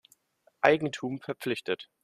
Eigentum verpflichtet.